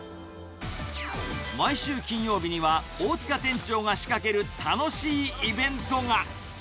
毎週金曜日には、大塚店長が仕掛ける楽しいイベントが。